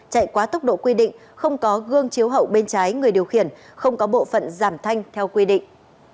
chạy quá tốc độ quy định không có gương chiếu hậu bên trái người điều khiển không có bộ phận giảm thanh theo quy định